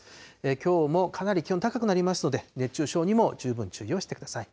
きょうもかなり気温高くなりますので、熱中症にも十分注意をしてください。